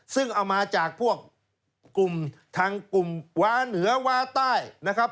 ซึ่งเอามาจากพวกกลุ่มทางกลุ่มว้าเหนือว้าใต้นะครับ